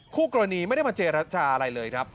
คู่กรณีไม่ได้มาเจรจาอะไรเลยครับ